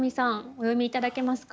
お読み頂けますか？